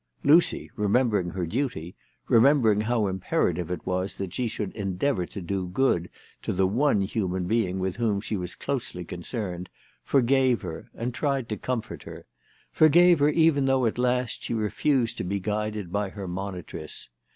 Lucy, remembering her duty, remembering how imperative it was that she should endeavour to do good to the one human being with whom she was closely concerned, forgave her, and tried to comfcrt her ; forgave her even though at last she refused to be guided by her monitress.